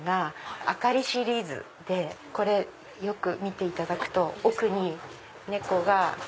灯りシリーズでよく見ていただくと奥に猫が。